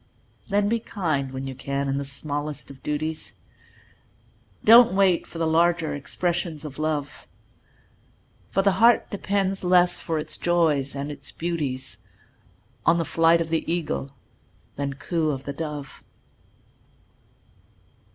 Then be kind when you can in the smallest of duties, Don't wait for the larger expressions of Love; For the heart depends less for its joys and its beauties On the flight of the Eagle than coo of the Dove.